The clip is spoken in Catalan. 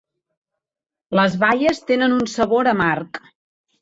Les baies tenen un sabor amarg.